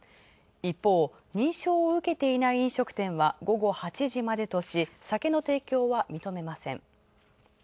一方、認証を受けていない飲食店は午後８時までとし、酒の提供は認めません。